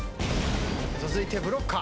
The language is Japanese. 続いてブロッカー。